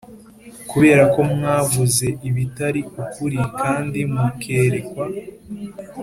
Kubera ko mwavuze ibitari ukuri kandi mukerekwa